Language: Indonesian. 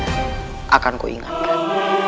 ibunda akan kuingatkanmu